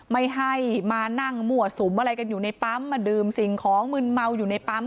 ไม่ให้มานั่งมั่วสุมอะไรกันอยู่ในปั๊มมาดื่มสิ่งของมืนเมาอยู่ในปั๊ม